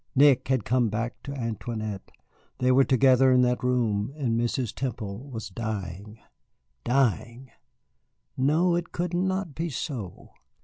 Nick had come back to Antoinette. They were together in that room, and Mrs. Temple was dying dying. No, it could not be so.